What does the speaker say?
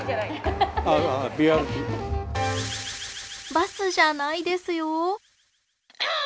バスじゃないですよ。